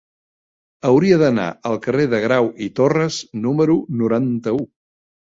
Hauria d'anar al carrer de Grau i Torras número noranta-u.